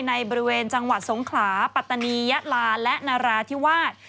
ในบริเวณจังหวัดสงขลาปัตตานียะลาและนราธิวาส